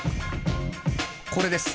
これです。